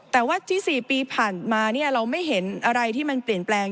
แต่ว่าที่๔ปีผ่านมาเราไม่เห็นอะไรที่มันเปลี่ยนแปลง